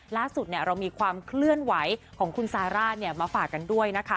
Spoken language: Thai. ล่าสุดเรามีความเคลื่อนไหวของคุณซาร่ามาฝากกันด้วยนะคะ